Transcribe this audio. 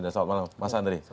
selamat malam mas andre